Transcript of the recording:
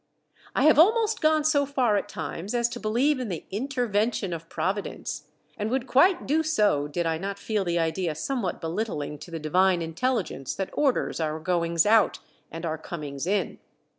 I have almost gone so far at times as to believe in the "intervention of Providence," and would quite do so did I not feel the idea somewhat belittling to the Divine Intelligence that orders our goings out and our comings in.